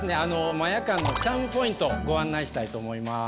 マヤカンのチャームポイントご案内したいと思います。